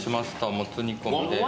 もつ煮込みです。